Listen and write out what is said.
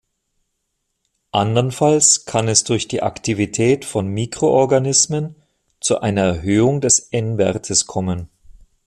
Andernfalls kann es durch die Aktivität von Mikroorganismen zu einer Erhöhung des N-Wertes kommen.